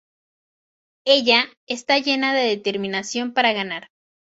Ella está llena de determinación para ganar.